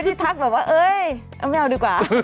ที่ทักแบบว่าเอ้ยเอาไม่เอาดีกว่า